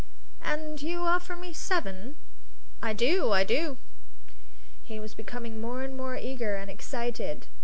"And you offer me seven?" "I do! I do!" He was becoming more and more eager and excited.